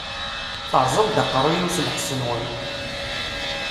Teṛṛẓam-d aqeṛṛu-yiw s lḥess-nwen!